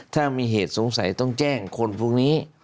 ถ้ามีเหตุสงสัยต้องแจ้งคนพวกนี้